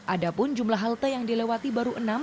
ada pun jumlah halte yang dilewati baru enam